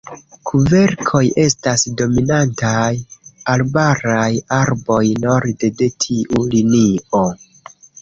Kverkoj estas dominantaj arbaraj arboj norde de tiu linio.